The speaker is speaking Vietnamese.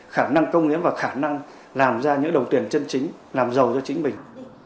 khả năng công nghiệp và khả năng làm ra những đồng tiền chân chính làm giàu cho chính mình